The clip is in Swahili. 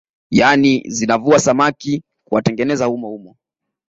Yani zinavua samaki na kuwatengeneza humo humo